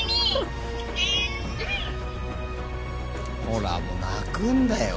ほらもう泣くんだよ？